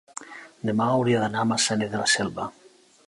demà hauria d'anar a Maçanet de la Selva.